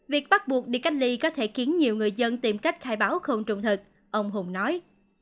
việc bắt buộc đi cách ly có thể khiến nhiều người dân tìm cách khai báo không trung thật ông hùng nói